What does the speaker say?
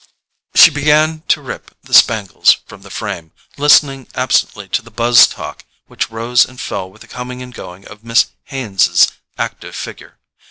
She began to rip the spangles from the frame, listening absently to the buzz of talk which rose and fell with the coming and going of Miss Haines's active figure.